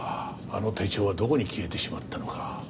あの手帳はどこに消えてしまったのか。